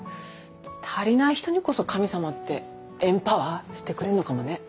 足りない人にこそ神様ってエンパワーしてくれんのかもね。